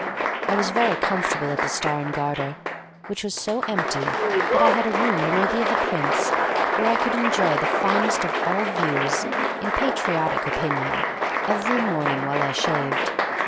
I was very comfortable at the Star and Garter, which was so empty that I had a room worthy of a prince, where I could enjoy the finest of all views (in patriotic opinion) every morning while I shaved.